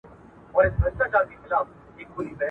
یوازیتوب سخت دی.